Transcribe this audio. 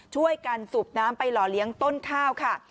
ช่วยกันสูบน้ำไปหล่อเลี้ยงต้นข้าวค่ะ